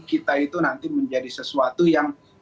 kita itu nanti menjadi sesuatu yang